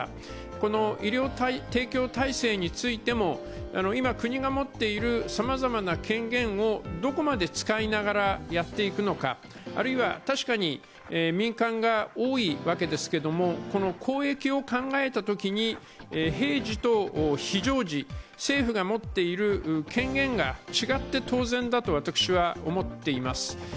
この医療提供体制についても、今、国が持っているさまざまな権限をどこまで使いながらやっていくのか、あるいは確かに民間が多いわけですけども公益を考えたときに、平時と非常時政府が持っている権限が違って当然だと私は思っています。